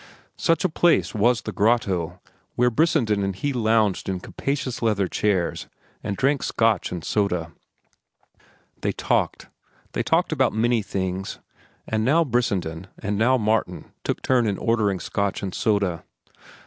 Such a place was the Grotto, where Brissenden and he lounged in capacious leather chairs and drank Scotch and soda. They talked. They talked about many things, and now Brissenden and now Martin took turn in ordering Scotch and soda.